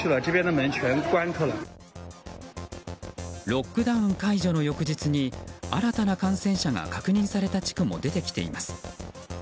ロックダウン解除の翌日に新たな感染者が確認された地区も出てきています。